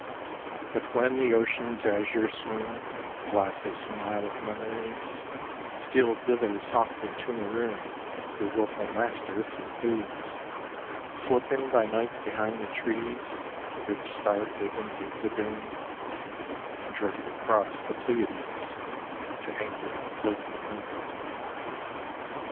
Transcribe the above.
But when the ocean's azure swoon Glasses some isle of memories, Steal thither softly to maroon Your wilful master if he please ! Slip in by night behind the trees Of its star paven deep lagoon, And drift across the Pleiades To anchor in the floating moon.